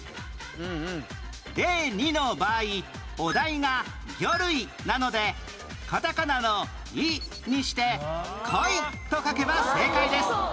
例２の場合お題が魚類なのでカタカナの「イ」にしてコイと書けば正解です